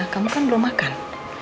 kamu kan belum makan